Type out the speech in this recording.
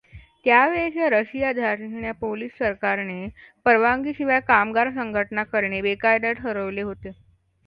त्यावेळच्या रशियाधार्जिण्या पोलिश सरकारने परवानगी शिवाय कामगार संघटना करणे बेकायदा ठरवले होते.